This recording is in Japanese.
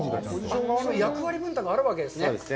役割分担があるわけですね。